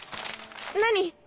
何？